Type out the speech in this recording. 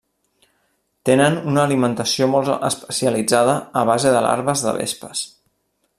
Tenen una alimentació molt especialitzada a base de larves de vespes.